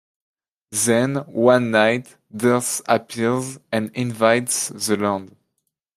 Then, one night, Dirth appears and invades the land.